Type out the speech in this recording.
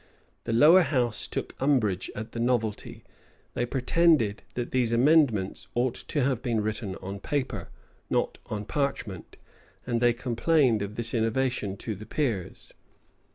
The lower house took umbrage at the novelty: they pretended that these amendments ought to have been written on paper, not on parchment; and they complained of this innovation to the peers.